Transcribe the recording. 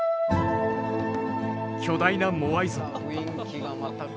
巨大なモアイ像。